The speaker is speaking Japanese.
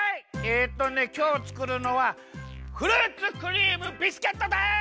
えっとねきょうつくるのはフルーツクリームビスケットです！